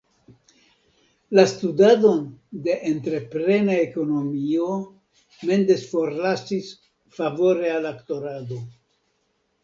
La studadon de entreprena ekonomio, Mendes forlasis favore al aktorado.